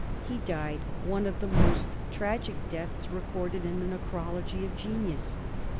He died one of the most tragic deaths recorded in the necrology of genius.